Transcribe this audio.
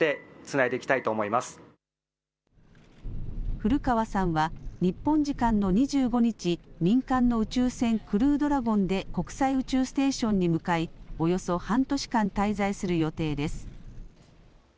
古川さんは日本時間の２５日、民間の宇宙船、クルードラゴンで国際宇宙ステーションに向かいおよそ半年間滞在する予定です。